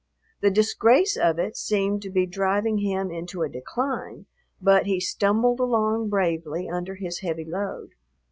The disgrace of it seemed to be driving him into a decline, but he stumbled along bravely under his heavy load.